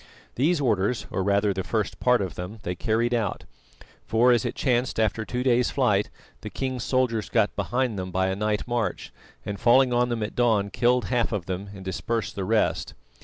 These orders, or rather the first part of them, they carried out, for as it chanced after two days' flight, the king's soldiers got behind them by a night march, and falling on them at dawn, killed half of them and dispersed the rest.